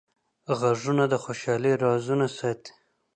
غوږونه د خوشحالۍ رازونه ساتي